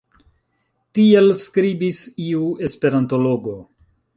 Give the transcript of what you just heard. Tiel skribis iu esperantologo.